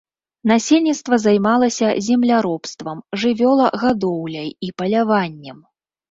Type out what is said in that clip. Насельніцтва займалася земляробствам, жывёлагадоўляй і паляваннем.